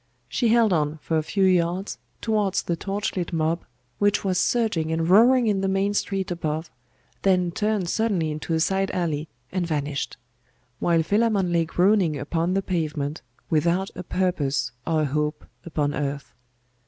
She held on for a few yards towards the torch lit mob, which was surging and roaring in the main street above, then turned suddenly into a side alley, and vanished; while Philammon lay groaning upon the pavement, without a purpose or a hope upon earth.